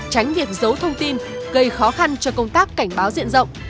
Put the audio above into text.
tránh việc giấu thông tin gây khó khăn cho công tác cảnh báo diện rộng